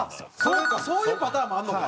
そうかそういうパターンもあるのか。